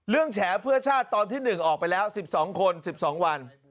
เรื่องแฉเพื่อชาติตอนที่หนึ่งออกไปแล้ว๑๒คน๑๒วัน